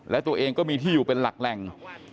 และตัวเองก็มีที่อยู่เป็นหลักแหล่ง